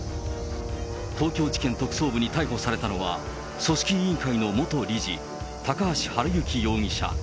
東京地検特捜部に逮捕されたのは、組織委員会の元理事、高橋治之容疑者。